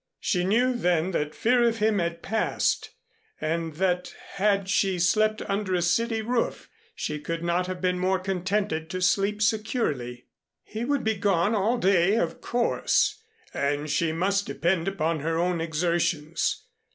She knew then that fear of him had passed and that had she slept under a city roof she could not have been more contented to sleep securely. He would be gone all day, of course, and she must depend upon her own exertions.